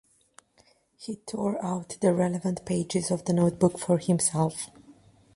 He tore out the relevant pages of the notebook for himself.